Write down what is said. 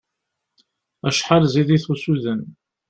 Acḥal ẓid-it i usuden!